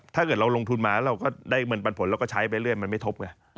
ถ้าเกิดเราลงทุนมาแล้วเราก็ได้เงินปันผลเราก็ใช้ไปเรื่อยมันไม่ทบไง